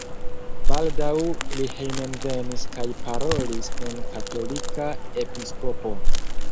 Baldaŭ li hejmenvenis kaj parolis kun katolika episkopo.